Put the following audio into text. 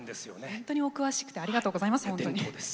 本当にお詳しくてありがとうございます。